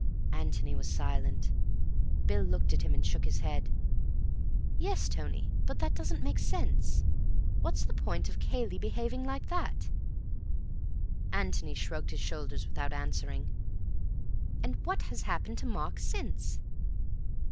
'" Antony was silent. Bill looked at him and shook his head. "Yes, Tony, but that doesn't make sense. What's the point of Cayley behaving like that?" Antony shrugged his shoulders without answering. "And what has happened to Mark since?"